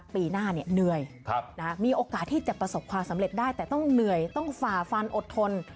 ปีหน้าเหนื่อยมีโอกาสที่จะประสบความสำเร็จได้แต่ต้องเหนื่อยต้องฝ่าฟันอดทน